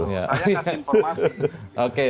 saya kasih informasi